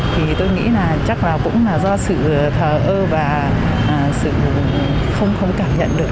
thì tôi nghĩ là chắc là cũng là do sự thờ ơ và không cảm nhận được